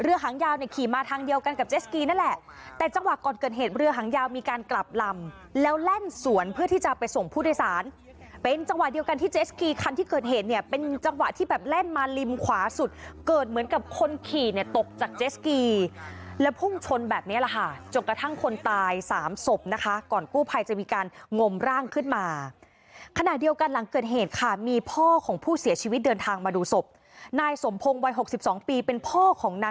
เรือหางยาวเนี่ยขี่มาทางเดียวกันกับเจสกีนั่นแหละแต่จังหวะก่อนเกิดเหตุเรือหางยาวมีการกลับลำแล้วแล่นสวนเพื่อที่จะไปส่งผู้โดยสารเป็นจังหวะเดียวกันที่เจสกีคันที่เกิดเหตุเนี่ยเป็นจังหวะที่แบบแล่นมาริมขวาสุดเกิดเหมือนกับคนขี่เนี่ยตกจากเจสกีแล้วพุ่งชนแบบเนี้ยแหละค่ะจนกระ